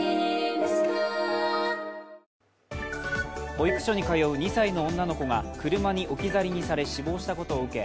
保育所に通う２歳の女の子が車に置き去りにされ死亡したことを受け